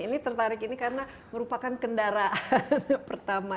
ini tertarik ini karena merupakan kendaraan pertama